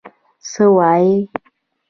_څه وايي؟